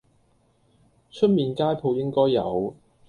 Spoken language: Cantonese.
出面街舖應該有